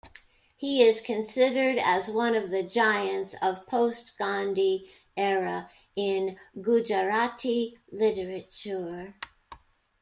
He is considered as one of the giants of post Gandhi-era in Gujarati literature.